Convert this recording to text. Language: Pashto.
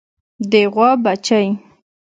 د غوا بچۍ